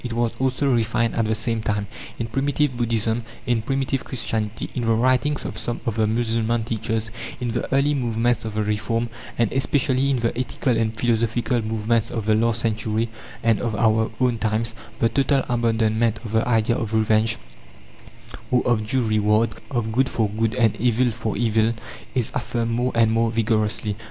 It was also refined at the same time. In primitive Buddhism, in primitive Christianity, in the writings of some of the Mussulman teachers, in the early movements of the Reform, and especially in the ethical and philosophical movements of the last century and of our own times, the total abandonment of the idea of revenge, or of "due reward" of good for good and evil for evil is affirmed more and more vigorously.